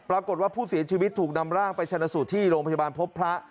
ปรากฏว่าผู้เสียชีวิตถูกนำร่างไปชนะสูตรที่โรงพยาบาลพบพระ